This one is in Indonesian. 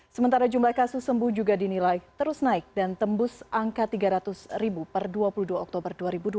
sementara jumlah kasus sembuh juga dinilai terus naik dan tembus angka tiga ratus ribu per dua puluh dua oktober dua ribu dua puluh